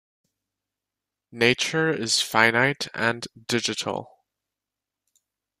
Nature is finite and digital.